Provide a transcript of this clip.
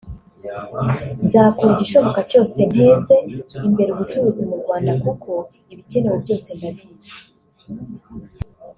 nzakora igishoboka cyose nteze imbere ubucuruzi mu Rwanda kuko ibikenewe byose ndabizi